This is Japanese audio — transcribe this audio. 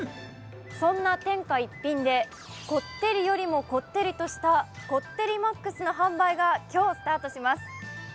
そんな天下一品で、こってりよりもこってりとしたこってりＭＡＸの販売が今日スタートします。